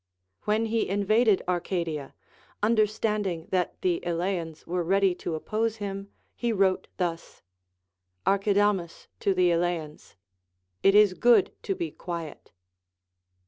A¥hen he invaded Arcadia, understanding that the Eleans were ready to oppose him, he wrote thus : Archidamus to the Eleans ; It is good to be quiet.